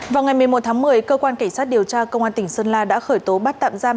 vào ngày một mươi một tháng một mươi cơ quan cảnh sát điều tra công an tỉnh sơn la đã khởi tố bắt tạm giam